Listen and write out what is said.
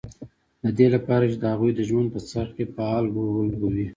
د دې لپاره چې د هغوی د ژوند په څرخ کې فعال رول ولوبوي